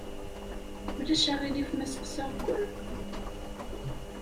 Ulac aɣilif ma sseqsaɣ-ken?